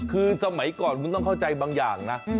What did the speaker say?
คือสมัยก่อนคุณต้องเข้าใจบางอย่างนะ